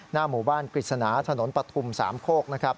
หมู่บ้านกฤษณาถนนปฐุมสามโคกนะครับ